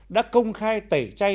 đã công khai tẩy chay